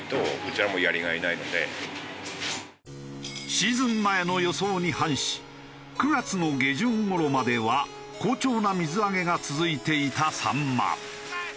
シーズン前の予想に反し９月の下旬頃までは好調な水揚げが続いていたサンマ。